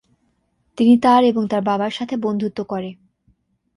তিনি তার এবং তার বাবার সাথে বন্ধুত্ব করে।